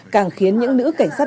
càng khiến những nữ cảnh sát